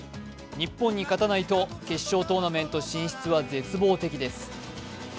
日本に勝たないと決勝トーナメント進出は絶望的です。